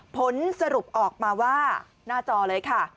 ผลสรุปออกมาว่าหน้าจอเลยค่ะ